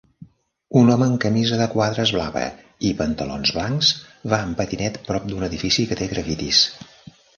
Un home amb camisa de quadres blava i pantalons blancs va en patinet prop d'un edifici que té grafitis